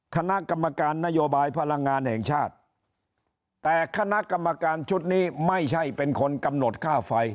คณะกรรมการนโยบายพลังงานแห่งชาติแต่คณะกรรมการชุดนี้ไม่ใช่เป็นคนกำหนดค่าไฟ